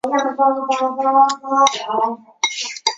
短茎隔距兰为兰科隔距兰属下的一个种。